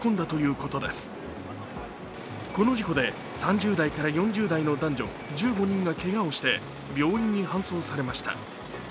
この事故で３０代から４０代の男女１５人がけがをして病院に搬送されました。